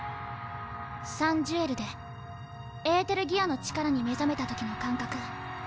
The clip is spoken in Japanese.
サン・ジュエルでエーテルギアの力に目覚めた時の感覚。